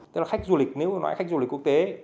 thế là khách du lịch nếu nói khách du lịch quốc tế